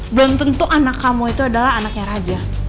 belum tentu anak kamu itu adalah anaknya raja